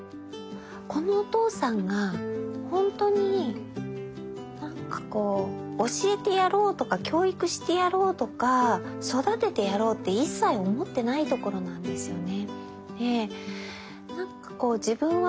このお父さんがほんとになんかこう教えてやろうとか教育してやろうとか育ててやろうって一切思ってないところなんですよね。